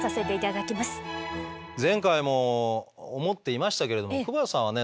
前回も思っていましたけれども久保田さんはね